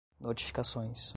notificações